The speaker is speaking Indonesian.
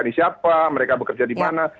di siapa mereka bekerja di mana